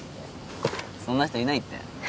そんな人いないって。